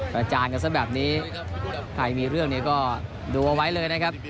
จานกันซะแบบนี้ใครมีเรื่องนี้ก็ดูเอาไว้เลยนะครับ